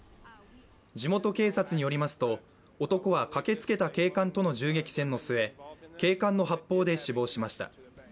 地元警察によりますと、男は駆けつけた警官との銃撃戦の末、警官の発砲で死亡しました。